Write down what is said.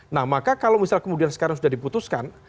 nah maka kalau misal kemudian sekarang sudah diputuskan